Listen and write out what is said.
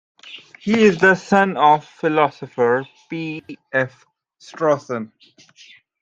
He is the son of philosopher P. F. Strawson.